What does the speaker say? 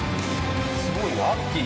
すごいねアッキー